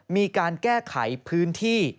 มีการแก้ไขพื้นที่